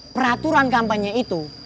peraturan kampanye itu